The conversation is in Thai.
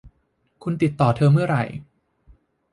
คุณติดต่อเธอเมื่อไหร่